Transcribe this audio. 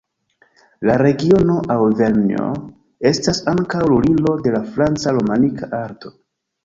La regiono Aŭvernjo estas ankaŭ lulilo de la franca romanika arto.